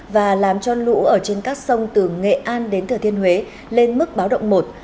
và làm cho lũ ở trên các sông từ nghệ an đến thừa thiên huế lên mức báo động một